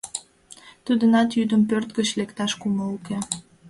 Тудынат йӱдым пӧрт гыч лекташ кумыл уке.